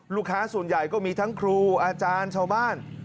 ลูกค้าส่วนใหญ่ก็มีทั้งครูอาจารย์ชาวบ้าน